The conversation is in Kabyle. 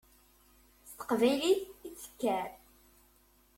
S teqbaylit i d-tekker.